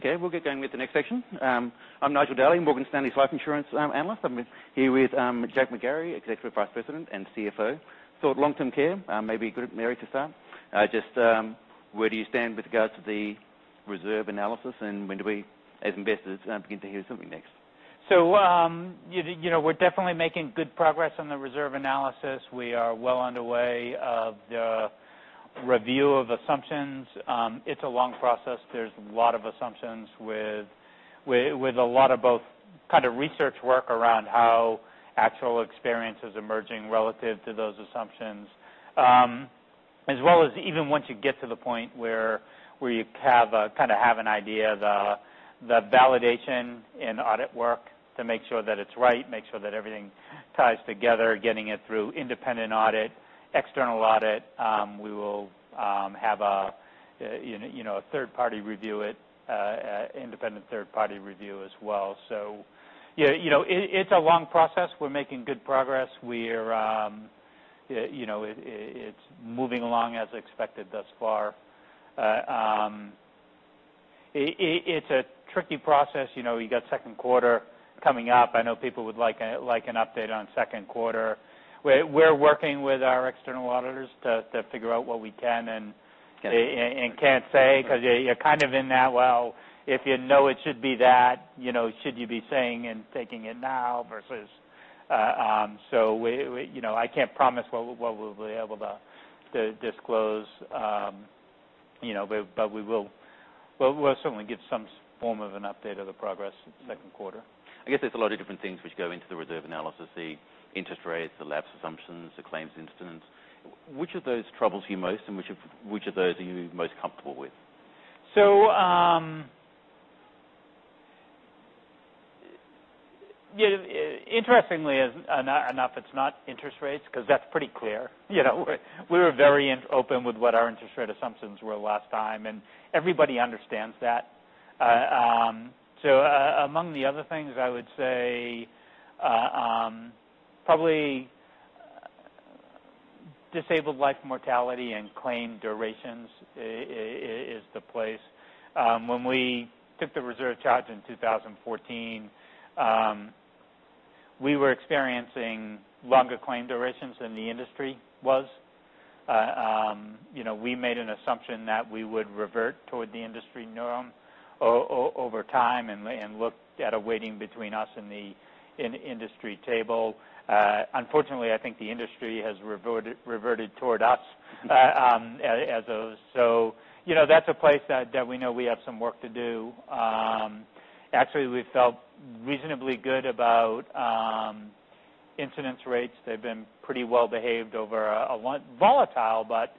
Okay, we'll get going with the next section. I'm Nigel Dally, Morgan Stanley's life insurance analyst. I'm here with Jack McGarry, Executive Vice President and CFO. Long-term care, maybe good, Mary, to start. Just where do you stand with regards to the reserve analysis, and when do we, as investors, begin to hear something next? We're definitely making good progress on the reserve analysis. We are well underway of the review of assumptions. It's a long process. There's a lot of assumptions with a lot of both kind of research work around how actual experience is emerging relative to those assumptions. As well as even once you get to the point where you kind of have an idea of the validation in audit work to make sure that it's right, make sure that everything ties together, getting it through independent audit, external audit. We will have a third party review it, independent third party review as well. Yeah, it's a long process. We're making good progress. It's moving along as expected thus far. It's a tricky process. You got second quarter coming up. I know people would like an update on second quarter. We're working with our external auditors to figure out what we can and can't say because you're kind of in that, well, if you know it should be that, should you be saying and taking it now versus I can't promise what we'll be able to disclose. We will certainly give some form of an update of the progress in second quarter. I guess there's a lot of different things which go into the reserve analysis, the interest rates, the lapse assumptions, the claims incidents. Which of those troubles you most and which of those are you most comfortable with? Interestingly enough, it's not interest rates because that's pretty clear. We were very open with what our interest rate assumptions were last time, and everybody understands that. Among the other things, I would say, probably disabled life mortality and claim durations is the place. When we took the reserve charge in 2014, we were experiencing longer claim durations than the industry was. We made an assumption that we would revert toward the industry norm over time and look at a weighting between us and the industry table. Unfortunately, I think the industry has reverted toward us as those. That's a place that we know we have some work to do. Actually, we felt reasonably good about incidence rates. They've been pretty well-behaved over a volatile, but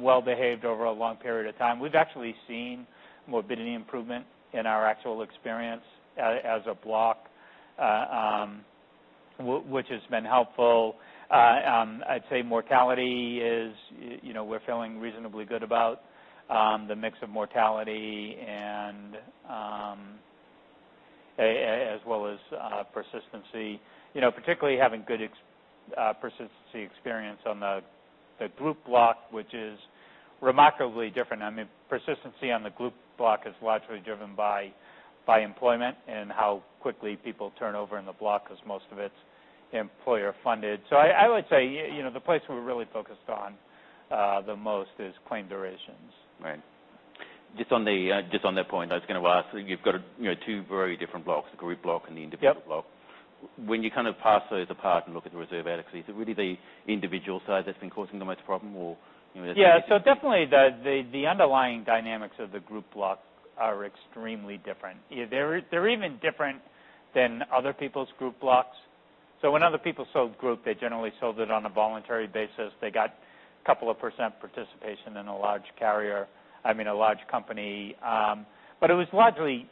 well-behaved over a long period of time. We've actually seen morbidity improvement in our actual experience as a block, which has been helpful. I'd say mortality is, we're feeling reasonably good about the mix of mortality and as well as persistency. Particularly having good persistency experience on the group block, which is remarkably different. Persistency on the group block is largely driven by employment and how quickly people turn over in the block because most of it's employer-funded. I would say, the place we're really focused on the most is claim durations. Right. Just on that point, I was going to ask, you've got two very different blocks, the group block and the individual- Yep block. When you kind of parse those apart and look at the reserve analysis, is it really the individual side that's been causing the most problem, or Definitely the underlying dynamics of the group blocks are extremely different. They're even different than other people's group blocks. When other people sold group, they generally sold it on a voluntary basis. They got a couple of % participation in a large carrier, I mean, a large company. It was largely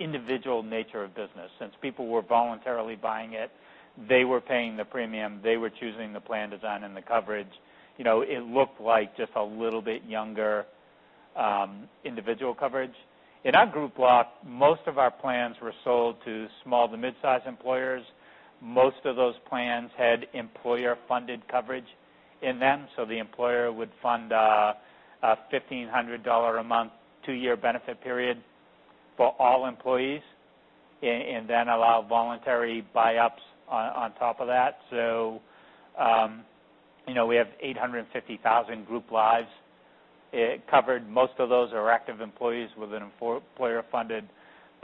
individual nature of business. Since people were voluntarily buying it, they were paying the premium, they were choosing the plan design and the coverage. It looked like just a little bit younger individual coverage. In our group block, most of our plans were sold to small to mid-size employers. Most of those plans had employer-funded coverage in them, so the employer would fund a $1,500 a month, two-year benefit period for all employees, and then allow voluntary buy-ups on top of that. We have 850,000 group lives. It covered most of those are active employees with an employer-funded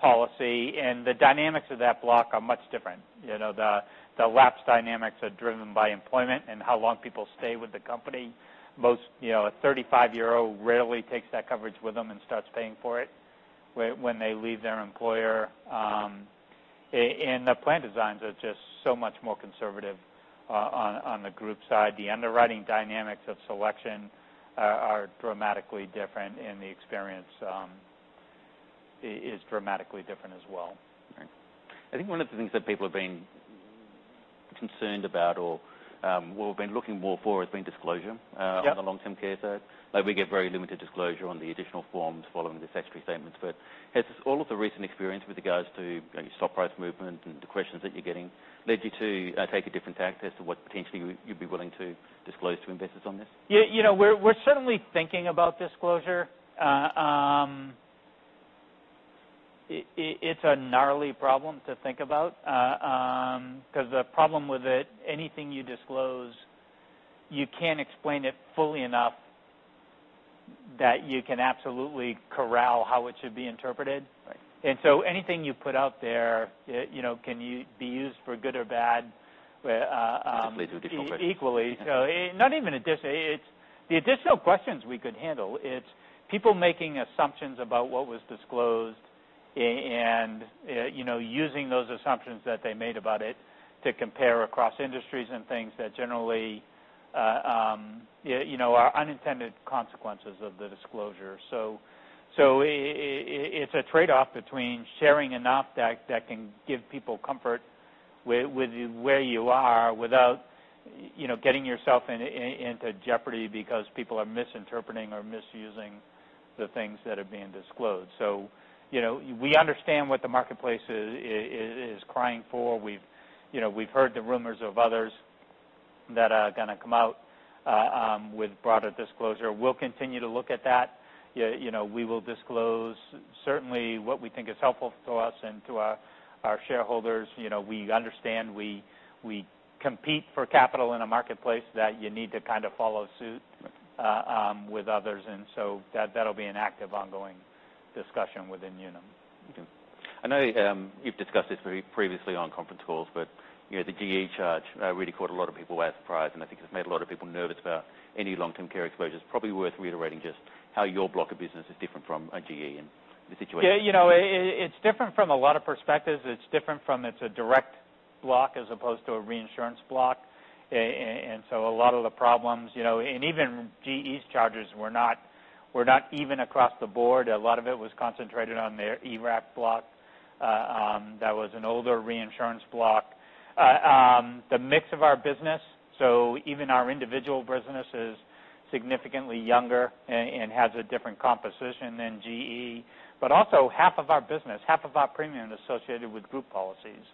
policy. The dynamics of that block are much different. The lapse dynamics are driven by employment and how long people stay with the company. A 35-year-old rarely takes that coverage with them and starts paying for it when they leave their employer. The plan designs are just so much more conservative on the group side. The underwriting dynamics of selection are dramatically different, and the experience is dramatically different as well. Right. I think one of the things that people have been concerned about or what we've been looking more for has been disclosure. Yep On the long-term care side. We get very limited disclosure on the additional forms following the statutory statements. Has all of the recent experience with regards to maybe stock price movement and the questions that you're getting led you to take a different tack as to what potentially you'd be willing to disclose to investors on this? We're certainly thinking about disclosure. It's a gnarly problem to think about, because the problem with it, anything you disclose, you can't explain it fully enough that you can absolutely corral how it should be interpreted. Right. Anything you put out there can be used for good or bad. Potentially do different. Equally. Not even additional. The additional questions we could handle. It's people making assumptions about what was disclosed and using those assumptions that they made about it to compare across industries and things that generally are unintended consequences of the disclosure. It's a trade-off between sharing enough that can give people comfort with where you are without getting yourself into jeopardy because people are misinterpreting or misusing the things that are being disclosed. We understand what the marketplace is crying for. We've heard the rumors of others that are going to come out with broader disclosure. We'll continue to look at that. We will disclose certainly what we think is helpful to us and to our shareholders. We understand we compete for capital in a marketplace that you need to kind of follow suit. Right with others, that'll be an active, ongoing discussion within Unum. Okay. I know you've discussed this previously on conference calls, the GE charge really caught a lot of people by surprise, and I think it's made a lot of people nervous about any long-term care exposures. Probably worth reiterating just how your block of business is different from GE and the situation. Yeah. It's different from a lot of perspectives. It's a direct block as opposed to a reinsurance block. A lot of the problems, and even GE's charges were not even across the board. A lot of it was concentrated on their ERC block. That was an older reinsurance block. The mix of our business, even our individual business is significantly younger and has a different composition than GE. Also half of our business, half of our premium associated with group policies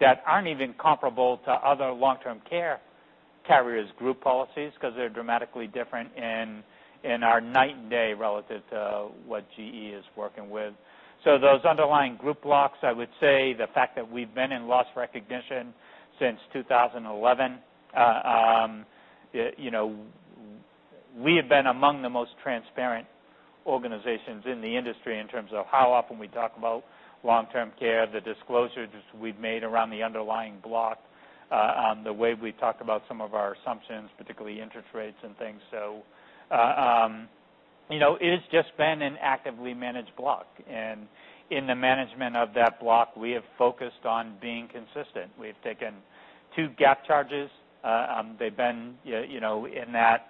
that aren't even comparable to other long-term care carriers' group policies because they're dramatically different and are night and day relative to what GE is working with. Those underlying group blocks, I would say the fact that we've been in loss recognition since 2011. We have been among the most transparent organizations in the industry in terms of how often we talk about long-term care, the disclosures we've made around the underlying block, the way we talk about some of our assumptions, particularly interest rates and things. It has just been an actively managed block, and in the management of that block, we have focused on being consistent. We have taken two GAAP charges. They've been in that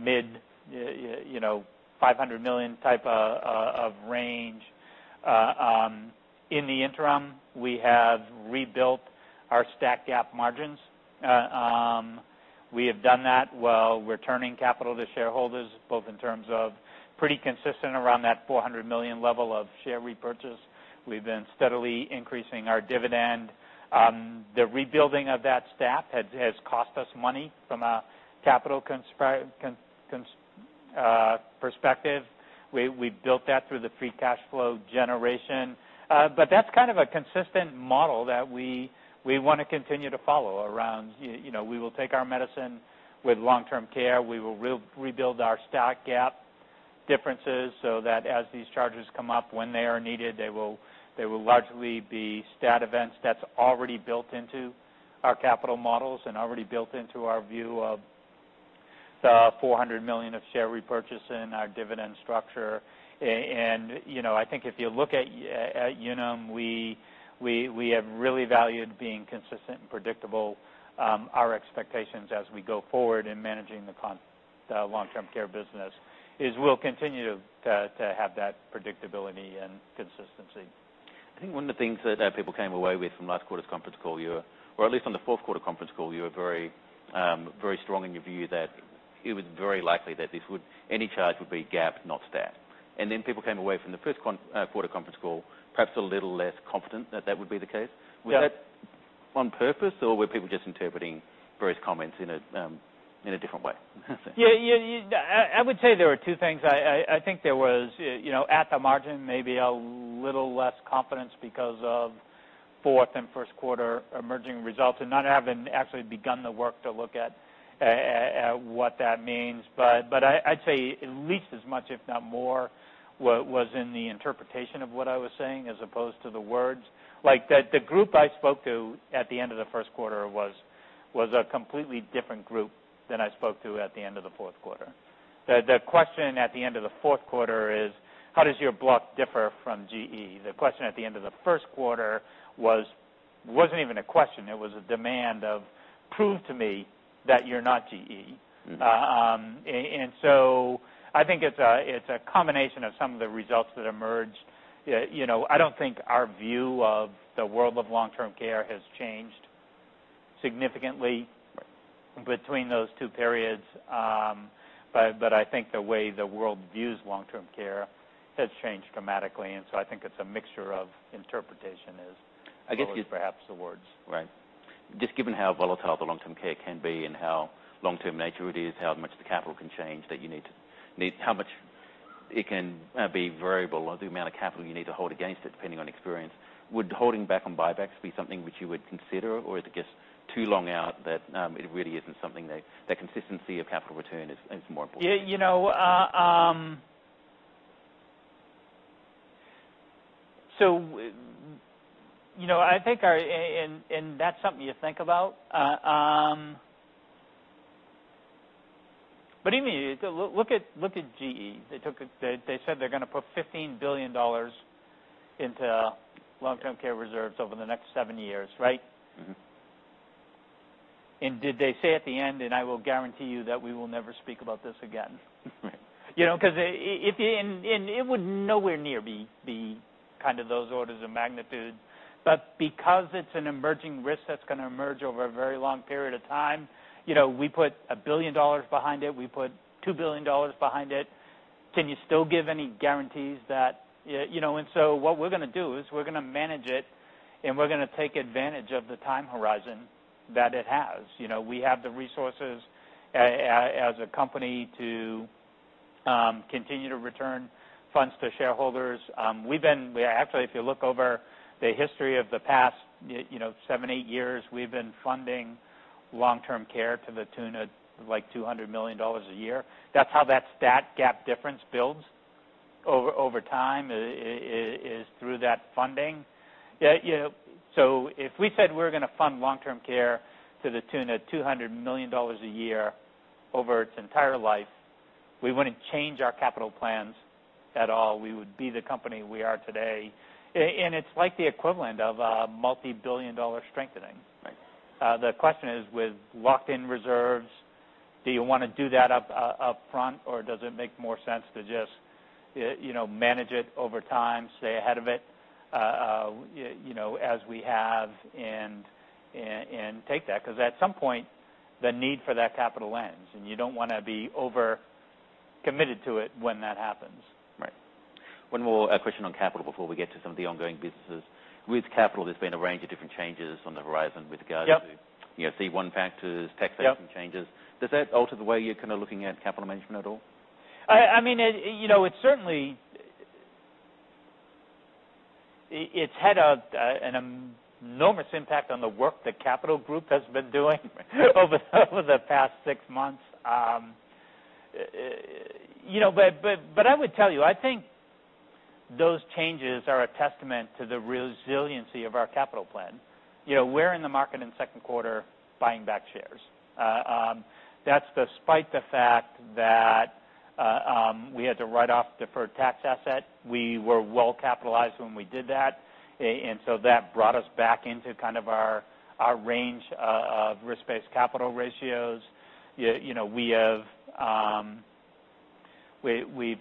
mid-$500 million type of range. In the interim, we have rebuilt our STAT GAAP margins. We have done that while returning capital to shareholders, both in terms of pretty consistent around that $400 million level of share repurchase. We've been steadily increasing our dividend. The rebuilding of that STAT has cost us money from a capital perspective. We built that through the free cash flow generation. That's kind of a consistent model that we want to continue to follow around, we will take our medicine with long-term care. We will rebuild our STAT GAAP differences so that as these charges come up, when they are needed, they will largely be STAT events that's already built into our capital models and already built into our view of the $400 million of share repurchase in our dividend structure. I think if you look at Unum, we have really valued being consistent and predictable. Our expectations as we go forward in managing the long-term care business is we'll continue to have that predictability and consistency. I think one of the things that people came away with from last quarter's conference call, or at least on the fourth quarter conference call, you were very strong in your view that it was very likely that any charge would be GAAP, not STAT. People came away from the first quarter conference call perhaps a little less confident that that would be the case. Yeah. Was that on purpose, or were people just interpreting various comments in a different way? I would say there were two things. I think there was, at the margin, maybe a little less confidence because of fourth and first quarter emerging results and not having actually begun the work to look at what that means. I'd say at least as much, if not more, was in the interpretation of what I was saying as opposed to the words. Like, the group I spoke to at the end of the first quarter was a completely different group than I spoke to at the end of the fourth quarter. The question at the end of the fourth quarter is, how does your block differ from GE? The question at the end of the first quarter wasn't even a question. It was a demand of prove to me that you're not GE. I think it's a combination of some of the results that emerged. I don't think our view of the world of long-term care has changed significantly- Right between those two periods. I think the way the world views long-term care has changed dramatically, and so I think it's a mixture of interpretation as- I guess you- Well, as perhaps the words. Right. Just given how volatile the long-term care can be and how long-term nature it is, how much the capital can change how much it can be variable or the amount of capital you need to hold against it, depending on experience. Would holding back on buybacks be something which you would consider, or is it just too long out that it really isn't something that consistency of capital return is more important? That's something you think about. Look at GE. They said they're going to put $15 billion into long-term care reserves over the next seven years, right? Did they say at the end, "I will guarantee you that we will never speak about this again." It would nowhere near be kind of those orders of magnitude. Because it's an emerging risk that's going to emerge over a very long period of time, we put $1 billion behind it. We put $2 billion behind it. Can you still give any guarantees that? What we're going to do is we're going to manage it, and we're going to take advantage of the time horizon that it has. We have the resources as a company to continue to return funds to shareholders. Actually, if you look over the history of the past seven, eight years, we've been funding long-term care to the tune of like $200 million a year. That's how that STAT GAAP difference builds over time, is through that funding. If we said we're going to fund long-term care to the tune of $200 million a year over its entire life, we wouldn't change our capital plans at all. We would be the company we are today. It's like the equivalent of a multi-billion-dollar strengthening. Right. The question is with locked-in reserves, do you want to do that up front, or does it make more sense to just manage it over time, stay ahead of it, as we have, and take that? Because at some point, the need for that capital ends, and you don't want to be over-committed to it when that happens. Right. One more question on capital before we get to some of the ongoing businesses. With capital, there's been a range of different changes on the horizon with regard to- Yep C1 factors, taxation changes. Yep. Does that alter the way you're kind of looking at capital management at all? It certainly, it's had an enormous impact on the work the capital group has been doing over the past six months. I would tell you, I think those changes are a testament to the resiliency of our capital plan. We're in the market in the second quarter buying back shares. That's despite the fact that we had to write off deferred tax asset. We were well-capitalized when we did that. That brought us back into kind of our range of risk-based capital ratios. We've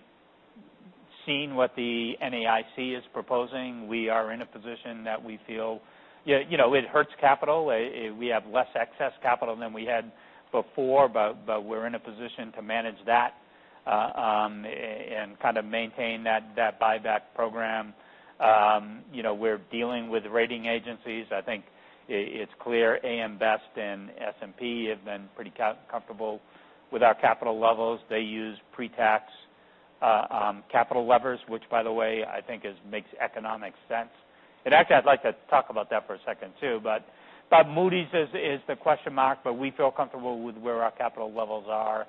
seen what the NAIC is proposing. We are in a position that we feel, it hurts capital. We have less excess capital than we had before, but we're in a position to manage that, and kind of maintain that buyback program. We're dealing with rating agencies. I think it's clear AM Best and S&P have been pretty comfortable with our capital levels. They use pre-tax capital levels, which by the way, I think makes economic sense. Actually, I'd like to talk about that for a second, too. Moody's is the question mark, but we feel comfortable with where our capital levels are.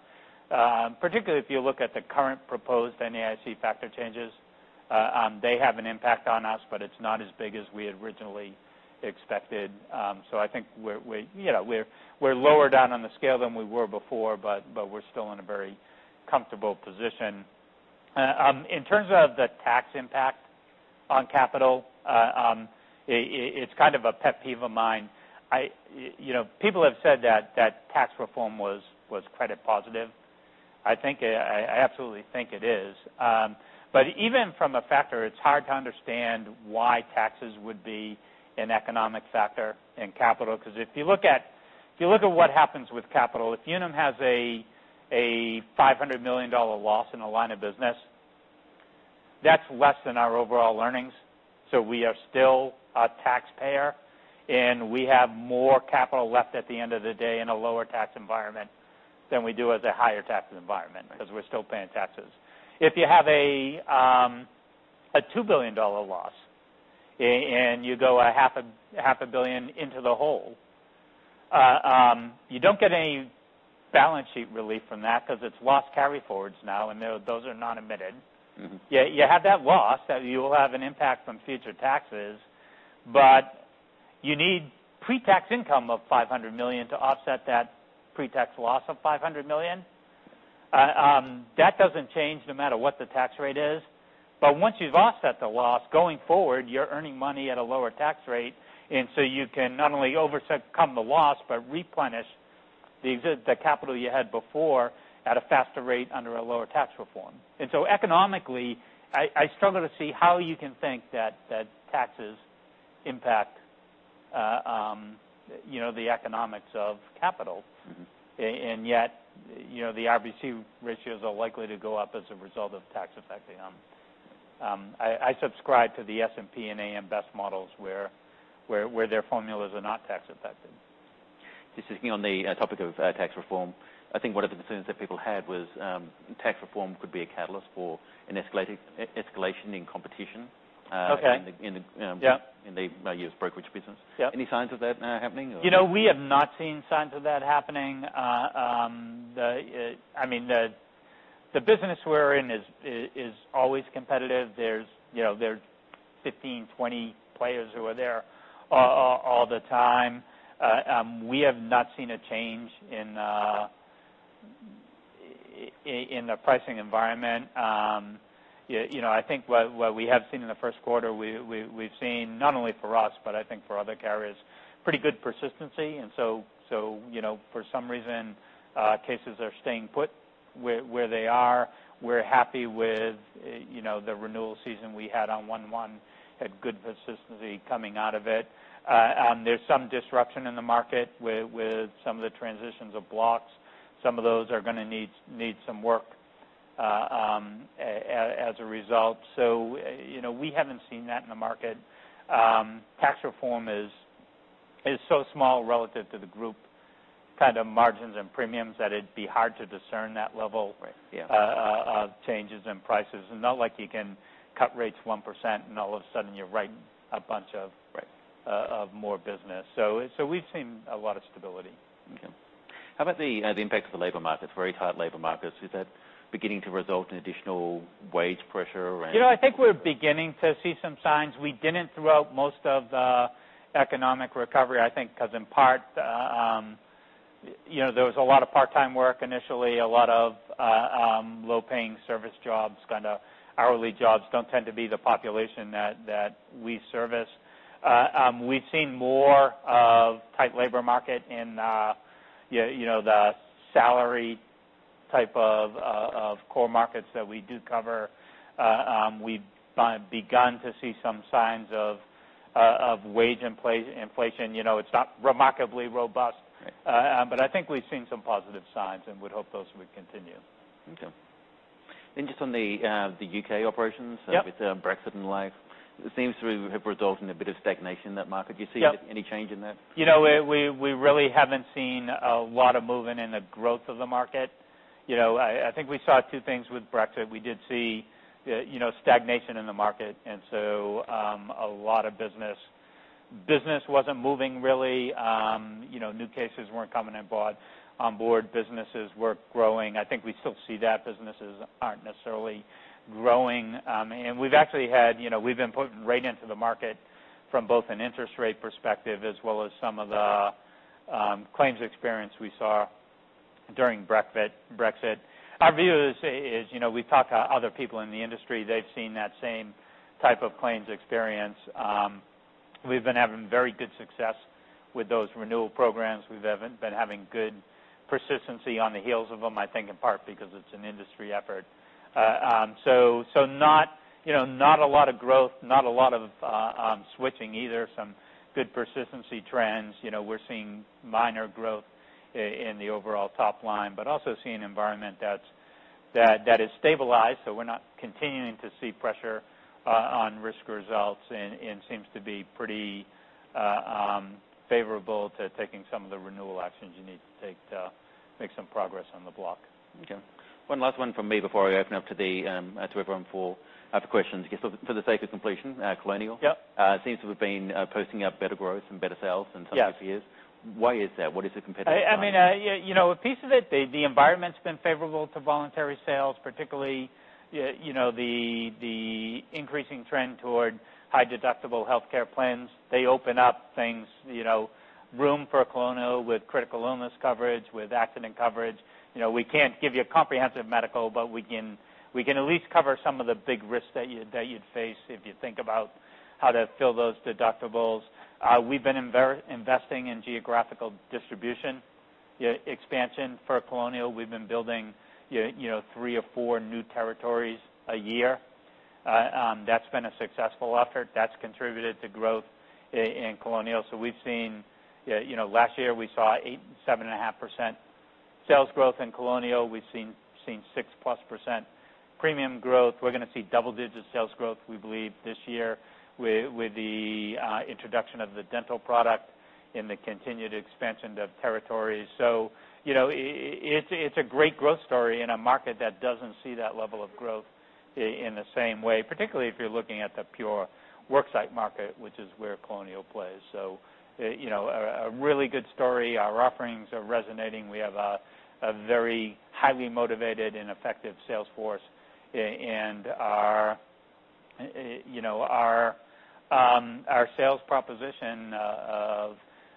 Particularly if you look at the current proposed NAIC factor changes, they have an impact on us, but it's not as big as we originally expected. I think we're lower down on the scale than we were before, but we're still in a very comfortable position. In terms of the tax impact on capital, it's kind of a pet peeve of mine. People have said that tax reform was credit positive. I absolutely think it is. Even from a factor, it's hard to understand why taxes would be an economic factor in capital. If you look at what happens with capital, if Unum has a $500 million loss in a line of business, that's less than our overall earnings. We are still a taxpayer, and we have more capital left at the end of the day in a lower tax environment than we do as a higher taxes environment, because we're still paying taxes. If you have a $2 billion loss, and you go a half a billion into the hole, you don't get any balance sheet relief from that because it's loss carry-forwards now, and those are not admitted. You have that loss, you will have an impact on future taxes, but you need pre-tax income of $500 million to offset that pre-tax loss of $500 million. That doesn't change no matter what the tax rate is. Once you've offset the loss, going forward, you're earning money at a lower tax rate, and so you can not only overcome the loss, but replenish the capital you had before at a faster rate under a lower tax reform. Economically, I struggle to see how you can think that taxes impact the economics of capital. Yet, the RBC ratios are likely to go up as a result of tax effect. I subscribe to the S&P and AM Best models, where their formulas are not tax affected. Just hitting on the topic of tax reform, I think one of the concerns that people had was tax reform could be a catalyst for an escalation in competition- Okay. -in the- Yeah U.S. brokerage business. Yeah. Any signs of that happening or? We have not seen signs of that happening. The business we're in is always competitive. There's 15, 20 players who are there all the time. We have not seen a change in the pricing environment. I think what we have seen in the first quarter, we've seen, not only for us, but I think for other carriers, pretty good persistency. For some reason, cases are staying put where they are. We're happy with the renewal season we had on 1/1, had good persistency coming out of it. There's some disruption in the market with some of the transitions of blocks. Some of those are going to need some work as a result. We haven't seen that in the market. Tax reform is so small relative to the group kind of margins and premiums that it'd be hard to discern that level- Right. Yeah of changes in prices. It's not like you can cut rates 1%, all of a sudden you're writing a bunch of- Right more business. We've seen a lot of stability. Okay. How about the impact of the labor markets, very tight labor markets. Is that beginning to result in additional wage pressure around- I think we're beginning to see some signs. We didn't throughout most of the economic recovery, I think, because in part there was a lot of part-time work initially, a lot of low-paying service jobs. Kind of hourly jobs don't tend to be the population that we service. We've seen more of tight labor market in the salary type of core markets that we do cover. We've begun to see some signs of wage inflation. It's not remarkably robust. Right. I think we've seen some positive signs and would hope those would continue. Okay. Just on the U.K. operations- Yep with Brexit and the like, it seems to have resulted in a bit of stagnation in that market. Yep. Do you see any change in that? We really haven't seen a lot of movement in the growth of the market. I think we saw two things with Brexit. We did see stagnation in the market, and so a lot of business wasn't moving really. New cases weren't coming on board. Businesses weren't growing. I think we still see that businesses aren't necessarily growing. We've been putting rate into the market from both an interest rate perspective as well as some of the claims experience we saw during Brexit. Our view is, we talk to other people in the industry, they've seen that same type of claims experience. We've been having very good success with those renewal programs. We've been having good persistency on the heels of them, I think in part because it's an industry effort. Not a lot of growth, not a lot of switching either. Some good persistency trends. We're seeing minor growth in the overall top line, but also see an environment that is stabilized, so we're not continuing to see pressure on risk results, and seems to be pretty favorable to taking some of the renewal actions you need to take to make some progress on the block. Okay. One last one from me before I open up to everyone for other questions. For the sake of completion, Colonial Yep seems to have been posting up better growth and better sales in some Yes years. Why is that? What is the competitive advantage? A piece of it, the environment's been favorable to voluntary sales, particularly the increasing trend toward high-deductible health plans. They open up things, room for Colonial with critical illness coverage, with accident coverage. We can't give you a comprehensive medical, but we can at least cover some of the big risks that you'd face if you think about how to fill those deductibles. We've been investing in geographical distribution expansion for Colonial. We've been building three or four new territories a year. That's been a successful effort. That's contributed to growth in Colonial. Last year we saw 7.5% sales growth in Colonial. We've seen 6-plus % premium growth. We're going to see double-digit sales growth, we believe, this year with the introduction of the dental product and the continued expansion of territories. It's a great growth story in a market that doesn't see that level of growth in the same way, particularly if you're looking at the pure worksite market, which is where Colonial plays. A really good story. Our offerings are resonating. We have a very highly motivated and effective sales force, and our sales proposition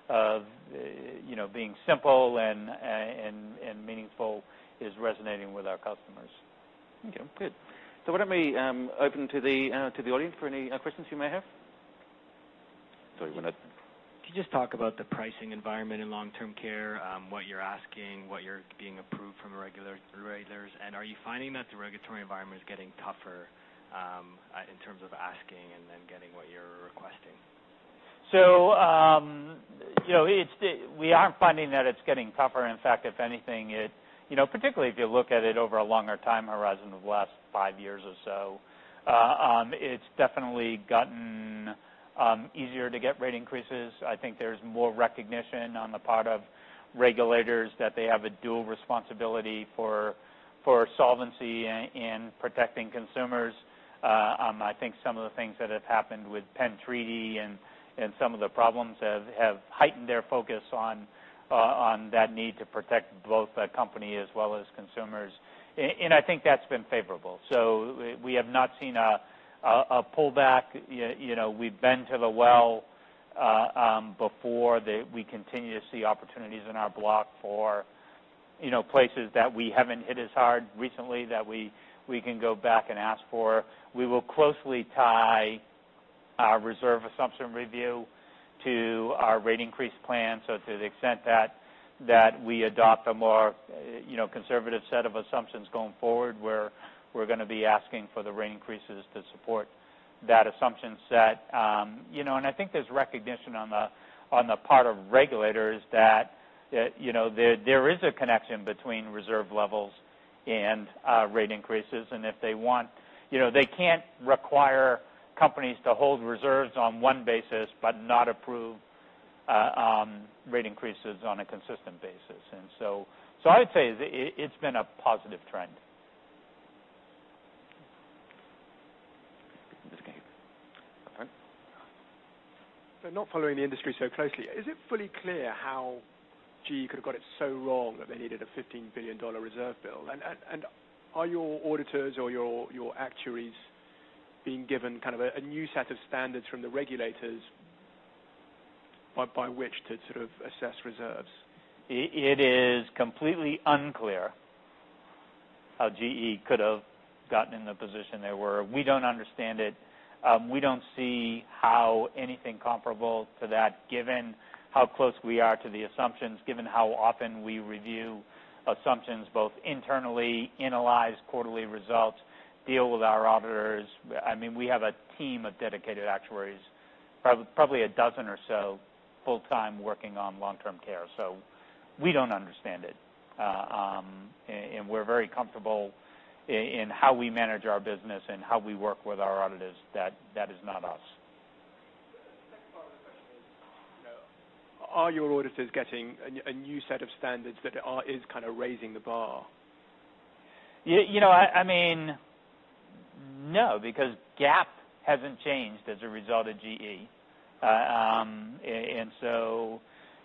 of being simple and meaningful is resonating with our customers. Okay, good. Why don't we open to the audience for any questions you may have? Could you just talk about the pricing environment in long-term care, what you're asking, what you're being approved from regulators? Are you finding that the regulatory environment is getting tougher in terms of asking and then getting what you're requesting? We are finding that it's getting tougher. In fact, if anything, particularly if you look at it over a longer time horizon of the last five years or so, it's definitely gotten easier to get rate increases. I think there's more recognition on the part of regulators that they have a dual responsibility for solvency in protecting consumers. I think some of the things that have happened with Penn Treaty and some of the problems have heightened their focus on that need to protect both the company as well as consumers. I think that's been favorable. We have not seen a pullback. We've been to the well before that we continue to see opportunities in our block for places that we haven't hit as hard recently that we can go back and ask for. We will closely tie our reserve assumption review to our rate increase plan. To the extent that we adopt a more conservative set of assumptions going forward, we're going to be asking for the rate increases to support that assumption set. I think there's recognition on the part of regulators that there is a connection between reserve levels and rate increases. If they want, they can't require companies to hold reserves on one basis, but not approve rate increases on a consistent basis. I'd say it's been a positive trend. This guy here. Okay. Not following the industry so closely, is it fully clear how GE could have got it so wrong that they needed a $15 billion reserve build? Are your auditors or your actuaries being given kind of a new set of standards from the regulators by which to sort of assess reserves? It is completely unclear how GE could have gotten in the position they were. We don't understand it. We don't see how anything comparable to that, given how close we are to the assumptions, given how often we review assumptions, both internally, analyze quarterly results, deal with our auditors. We have a team of dedicated actuaries, probably a dozen or so full-time, working on long-term care. We don't understand it. We're very comfortable in how we manage our business and how we work with our auditors. That is not us. The second part of the question is, are your auditors getting a new set of standards that is kind of raising the bar? No, because GAAP hasn't changed as a result of GE.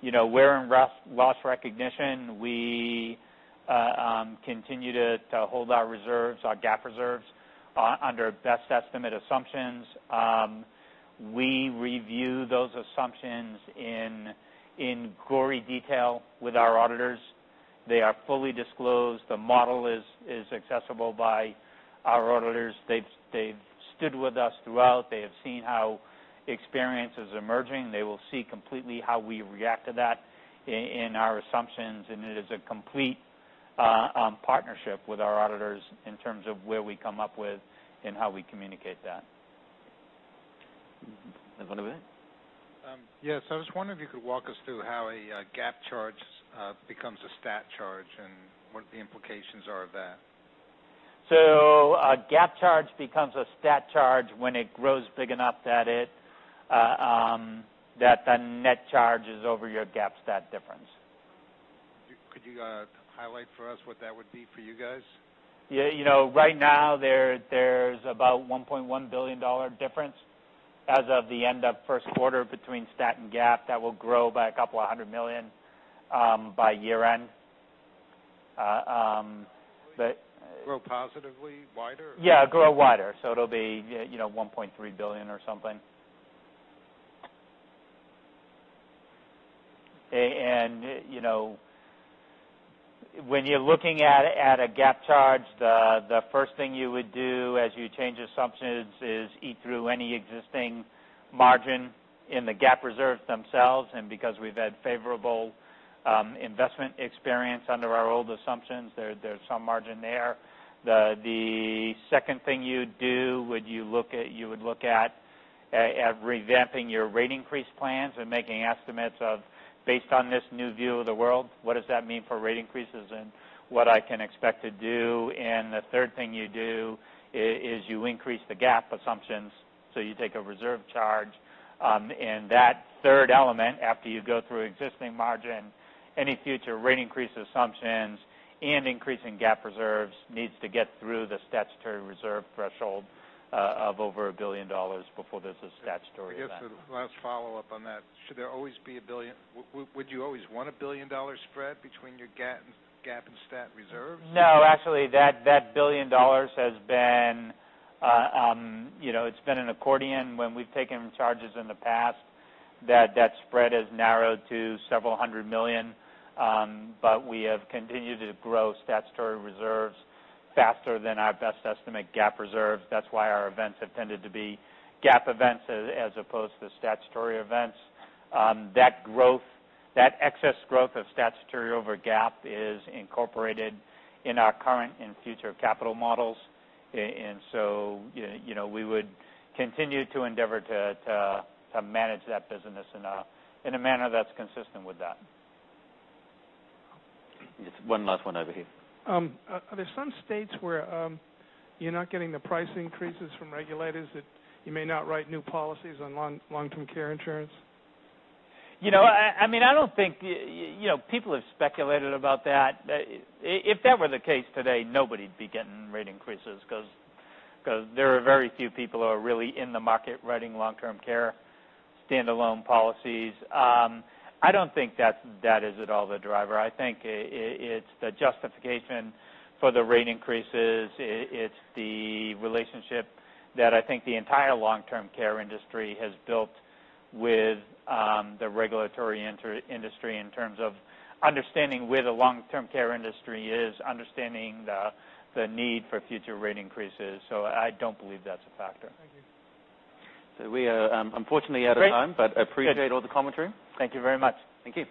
We're in loss recognition. We continue to hold our reserves, our GAAP reserves, under best estimate assumptions. We review those assumptions in gory detail with our auditors. They are fully disclosed. The model is accessible by our auditors. They've stood with us throughout. They have seen how experience is emerging. They will see completely how we react to that in our assumptions. It is a complete partnership with our auditors in terms of where we come up with and how we communicate that. Over there. Yes. I was wondering if you could walk us through how a GAAP charge becomes a STAT charge and what the implications are of that. A GAAP charge becomes a STAT charge when it grows big enough that the net charge is over your GAAP STAT difference. Could you highlight for us what that would be for you guys? Right now there's about $1.1 billion difference as of the end of first quarter between STAT and GAAP. That will grow by $200 million by year-end. Grow positively, wider? Yeah, grow wider. It'll be $1.3 billion or something. When you're looking at a GAAP charge, the first thing you would do as you change assumptions is eat through any existing margin in the GAAP reserves themselves. Because we've had favorable investment experience under our old assumptions, there's some margin there. The second thing you'd do, you would look at revamping your rate increase plans and making estimates of, based on this new view of the world, what does that mean for rate increases and what I can expect to do. The third thing you do is you increase the GAAP assumptions, so you take a reserve charge. That third element, after you go through existing margin, any future rate increase assumptions, and increasing GAAP reserves needs to get through the statutory reserve threshold of over $1 billion before there's a statutory event. I guess the last follow-up on that, should there always be a $1 billion spread between your GAAP and STAT reserves? No, actually that $1 billion has been an accordion. When we've taken charges in the past, that spread has narrowed to several hundred million. We have continued to grow statutory reserves faster than our best estimate GAAP reserves. That's why our events have tended to be GAAP events as opposed to statutory events. That excess growth of statutory over GAAP is incorporated in our current and future capital models. We would continue to endeavor to manage that business in a manner that's consistent with that. Just one last one over here. Are there some states where you're not getting the price increases from regulators that you may not write new policies on long-term care insurance? People have speculated about that. If that were the case today, nobody'd be getting rate increases because there are very few people who are really in the market writing long-term care standalone policies. I don't think that is at all the driver. I think it's the justification for the rate increases. It's the relationship that I think the entire long-term care industry has built with the regulatory industry in terms of understanding where the long-term care industry is, understanding the need for future rate increases. I don't believe that's a factor. Thank you. We are unfortunately out of time, but appreciate all the commentary. Thank you very much. Thank you.